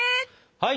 はい。